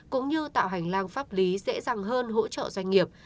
cũng như tạo hành lang pháp lý dễ dàng hơn hỗ trợ doanh nghiệp